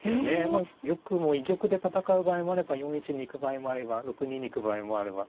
まあ玉も居玉で戦う場合もあれば４一に行く場合もあれば６二に行く場合もあれば。